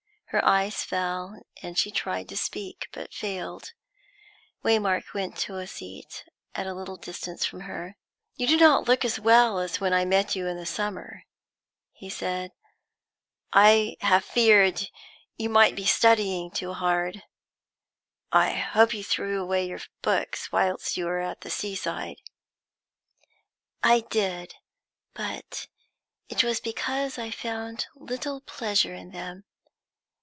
Her eyes fell, and she tried to speak, but failed. Waymark went to a seat at a little distance from her. "You do not look as well as when I met you in the summer," he said. "I have feared you might be studying too hard. I hope you threw away your books whilst you were at the sea side." "I did, but it was because I found little pleasure in them.